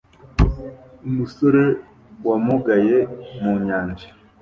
umusore wamugaye mu nyanja